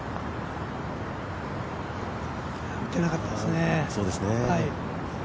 打てなかったですね。